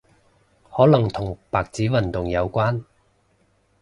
可能同白紙運動有關